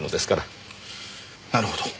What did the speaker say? なるほど。